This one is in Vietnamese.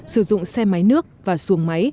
sử dụng xe máy nước và xuồng máy